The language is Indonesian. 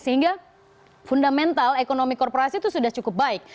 sehingga fundamental ekonomi korporasi itu sudah cukup baik